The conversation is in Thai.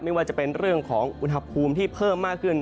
ไม่ว่าจะเป็นเรื่องของอุณหภูมิที่เพิ่มมากขึ้น